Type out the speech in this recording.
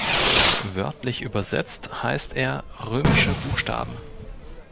Wörtlich übersetzt heißt er "römische Buchstaben".